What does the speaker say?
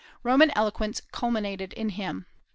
Roman eloquence culminated in him.